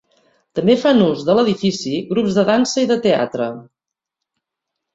També fan ús de l'edifici grups de dansa i de teatre.